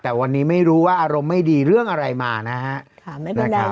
แต่วันนี้ไม่รู้ว่าอารมณ์ไม่ดีเรื่องอะไรมานะฮะค่ะไม่เป็นไร